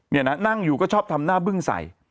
นี่นะนั่งอยู่ก็ชอบทำหน้าบึ้งใส่